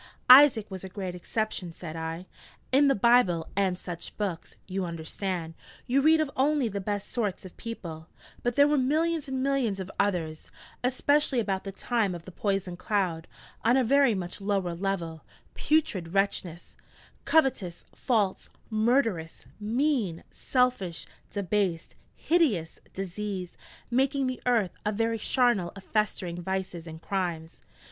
'Isaac was a great exception,' said I: 'in the Bible and such books, you understand, you read of only the best sorts of people; but there were millions and millions of others especially about the time of the poison cloud on a very much lower level putrid wretches covetous, false, murderous, mean, selfish, debased, hideous, diseased, making the earth a very charnel of festering vices and crimes.'